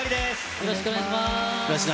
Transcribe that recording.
よろしくお願いします。